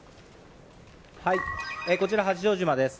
こちら、八丈島です。